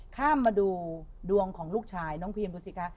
ข้ามมาดูดวงของลูกชายน้องพีมดูสิคะ